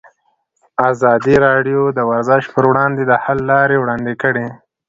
ازادي راډیو د ورزش پر وړاندې د حل لارې وړاندې کړي.